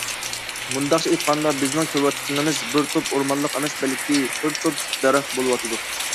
مۇنداقچە ئېيتقاندا، بىزنىڭ كۆرۈۋاتقىنىمىز بىر توپ ئورمانلىق ئەمەس بەلكى بىر تۈپ دەرەخ بولۇۋاتىدۇ.